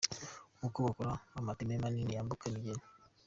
Uko bakora amateme Manini yambuka imigezi